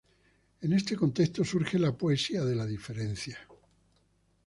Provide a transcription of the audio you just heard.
En este contexto, surge la Poesía de la Diferencia.